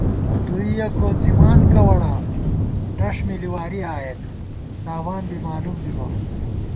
دوئیَہ کوڅِمان کوَڑاں دݭ مِلی واری آئېت، تاوان بی مالُوم بِبہ